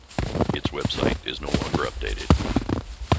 Its website is no longer updated.